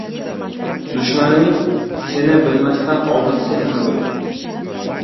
• Dushmaning seni bilmasdan oldin sen uni bil.